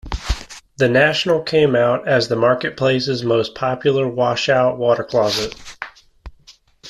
The National came out as the market place's most popular wash-out water closet.